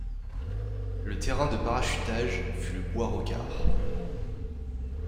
Le terrain de parachutage fut le Bois Rocard.